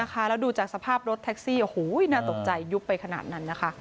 แล้วดูจากสภาพรถแท็กซี่โอ้โหน่าตกใจยุบไปขนาดนั้นนะคะ